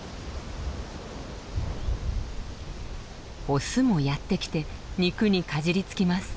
オスもやって来て肉にかじりつきます。